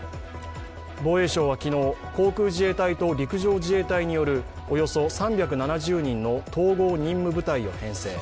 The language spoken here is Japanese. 防衛省は昨日、航空自衛隊と陸上自衛隊によるおよそ３７０人の統合任務部隊を編成。